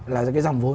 là cái dòng vốn